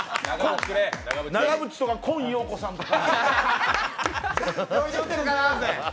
長渕とか今陽子さんとか。